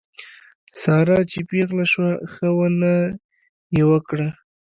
ساره چې پېغله شوه ښه ونه یې وکړه.